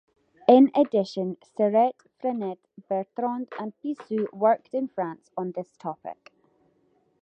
In addition Serret, Frenet, Bertrand and Puiseux worked in France on this topic.